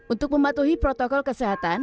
untuk mematuhi protokol kesehatan